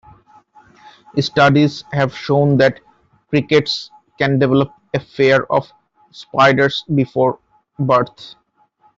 Studies have shown that crickets can develop a fear of spiders before birth.